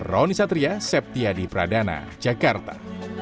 raun isatria septia di pradana jakarta